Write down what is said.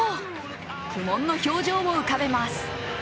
苦悶の表情を浮かべます。